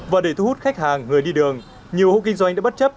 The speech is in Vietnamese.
và để thu hút khách hàng người đi đường nhiều hộ kinh doanh đã bất chấp